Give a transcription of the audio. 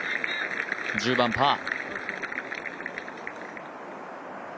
１０番、パー。